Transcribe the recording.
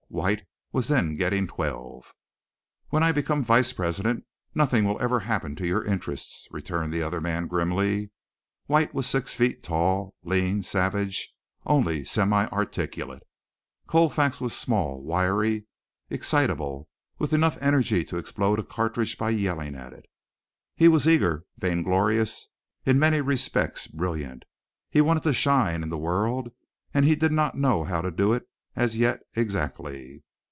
White was then getting twelve. "When I become vice president nothing will ever happen to your interests," returned the other man grimly. White was six feet tall, lean, savage, only semi articulate. Colfax was small, wiry, excitable, with enough energy to explode a cartridge by yelling at it. He was eager, vainglorious, in many respects brilliant. He wanted to shine in the world, and he did not know how to do it as yet exactly.